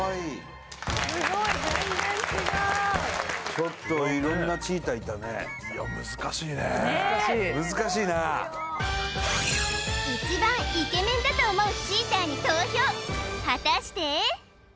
すごい全然違うちょっと色んなチーターいたねいや難しいね難しい難しいなどうしよう一番イケメンだと思うチーターに投票果たして？